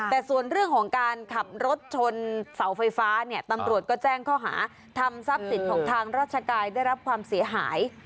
แต่ส่วนเรื่องของการขับรถชนเสาไฟฟ้าเนี่ยตำรวจก็แจ้งข้อหาทำทรัพย์สินของทางราชการได้รับความเสียหาย